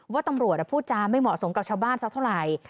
ว่าตำรวจและผู้จารย์ไม่เหมาะสมกับชาวบ้านซะเท่าไหร่